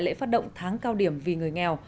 lễ phát động tháng cao điểm vì người nghèo